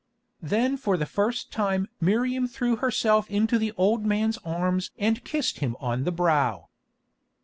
Then for the first time Miriam threw herself into the old man's arms and kissed him on the brow.